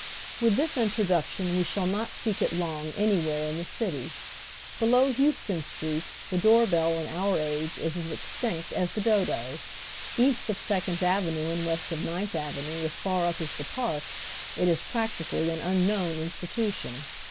With this introduction we shall not seek it long any where in the city. Below Houston Street the door bell in 160 HOW THE OTHEE HALF LIVES. our age is as extinct as thu dodo. East of Second Avenue, and west of Ivinili Avenue as far up as tlie Park, it is practically an unknown institution.